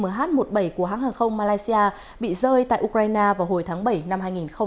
nguyên nhân vụ máy bay của hãng hàng không malaysia bị rơi tại ukraine vào hồi tháng bảy năm hai nghìn một mươi bốn